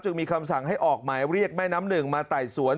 จึงมีคำสั่งให้ออกหมายเรียกแม่น้ำหนึ่งมาไต่สวน